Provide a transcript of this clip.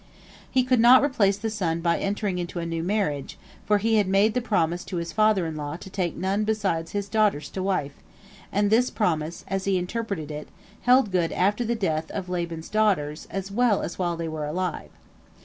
He could not replace the lost son by entering into a new marriage, for he had made the promise to his father in law to take none beside his daughters to wife, and this promise, as he interpreted it, held good after the death of Laban's daughters as well as while they were alive.